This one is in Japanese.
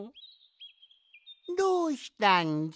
どうしたんじゃ？